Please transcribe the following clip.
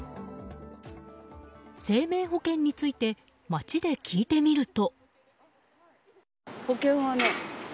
生命保険について街で聞いてみると。